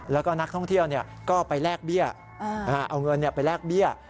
แล้วก็นักท่องเที่ยวก็ไปแลกเบี้ยเอาเงินไปแลกเบี้ย